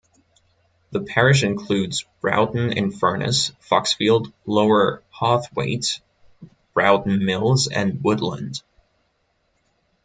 The parish includes Broughton in Furness, Foxfield, Lower Hawthwaite, Broughton Mills and Woodland.